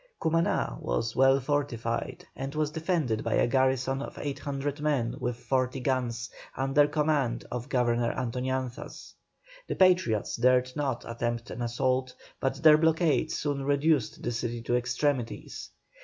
Cumaná was well fortified and was defended by a garrison of 800 men with forty guns, under command of Governor Antoñanzas. The Patriots dared not attempt an assault, but their blockade soon reduced the city to extremities.